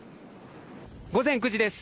午前９時です。